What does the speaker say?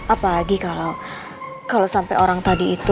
apalagi kalau sampai orang tadi itu